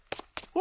・お！